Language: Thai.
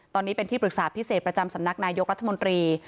ตอนนี้เป็นที่ปรึกษาพิเศษประจำสำนักนายกรัฐมนตรี